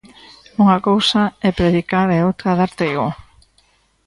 Unha cousa é predicar e outra dar trigo.